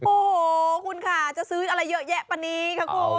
โอ้โหคุณค่ะจะซื้ออะไรเยอะแยะปะนี้ค่ะคุณ